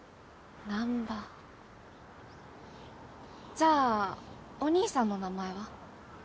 じゃあお兄さんの名前は？